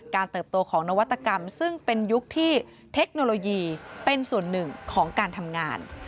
เติบโตของนวัตกรรมซึ่งเป็นยุคที่เทคโนโลยีเป็นส่วนหนึ่งของการทำงาน